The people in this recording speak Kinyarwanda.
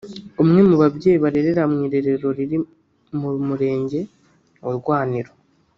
umwe mu babyeyi barerera mu irerero riri mu murenge wa Rwaniro